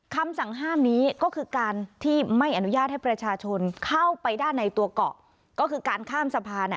คำสั่งห้ามนี้ก็คือการที่ไม่อนุญาตให้ประชาชนเข้าไปด้านในตัวเกาะก็คือการข้ามสะพาน